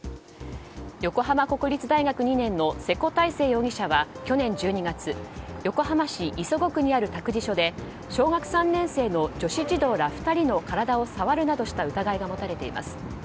横浜国立大学２年の瀬古太星容疑者は去年１２月横浜市磯子区にある託児所で小学３年生の女子児童ら２人の体を触るなどした疑いが持たれています。